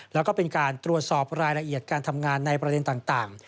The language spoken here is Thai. แล้วก็เป็นการตรวจสอบรายละเอียดการทำงานในประเด็นต่าง